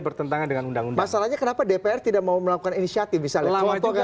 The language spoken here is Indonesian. bertentangan dengan undang undang soalnya kenapa dpr tidak mau melakukan inisiatif bisa lama juga